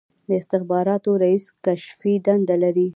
د استخباراتو رییس کشفي دنده لري